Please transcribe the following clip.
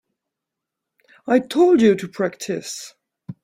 I told you to practice.